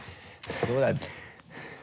どうだった？